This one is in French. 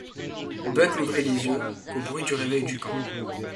Buck n’ouvrit les yeux qu’au bruit du réveil du camp.